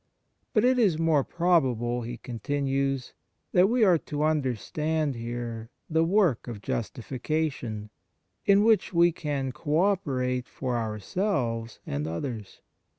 " But it is more probable," he continues, " that we are to understand here the work of justification, in which we can co operate for ourselves and others.